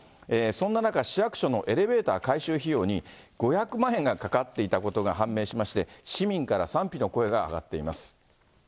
そんな中、市役所のエレベーター改修費用に５００万円がかかっていたことが判明しまして、市民から賛否の声が上がっています。